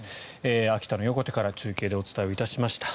秋田の横手から中継でお伝えしました。